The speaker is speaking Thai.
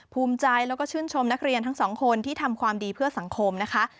ภูมิใจแล้วก็ชื่นชมนักเรียนทั้งสองคนที่ทำความดีเพื่อสังคมนะคะ